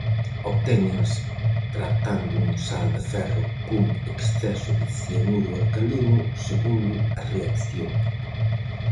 Obtéñense tratando un sal de ferro cun exceso de cianuro alcalino, segundo a reacción.